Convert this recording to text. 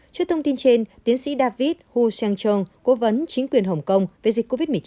trước thông tin trên tiến sĩ david hu jeeng chong cố vấn chính quyền hồng kông về dịch covid một mươi chín